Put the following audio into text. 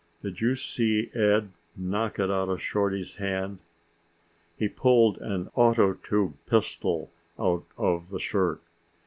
Did you see Ed knock it out of Shorty's hand?" He pulled an ato tube pistol out of the shirt.